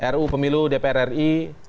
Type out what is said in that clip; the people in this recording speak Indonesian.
ruu pemilu dpr ri